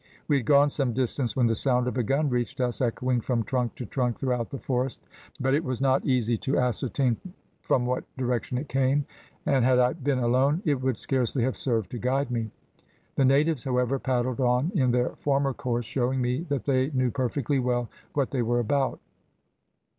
We had gone some distance when the sound of a gun reached us echoing from trunk to trunk throughout the forest, but it was not easy to ascertain from what direction it came, and had I been alone, it would scarcely have served to guide me. The natives, however, paddled on in their former course, showing me that they knew perfectly well what they were about.